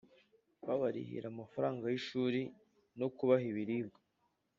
babarihira amafaranga y’ishuri no kubaha ibiribwa